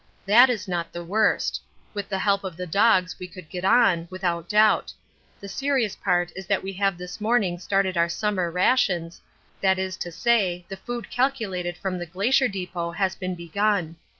That is not the worst; with the help of the dogs we could get on, without doubt. The serious part is that we have this morning started our summer rations, that is to say, the food calculated from the Glacier depot has been begun.